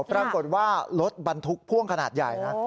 ปรากฏว่ารถบรรทุกพ่วงขนาดใหญ่นะ